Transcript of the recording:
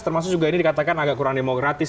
termasuk juga ini dikatakan agak kurang demokratis